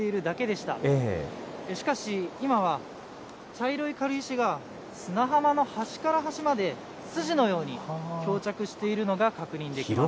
しかし今は、茶色い軽石が砂浜の端から端まで、筋のように漂着しているのが確認できます。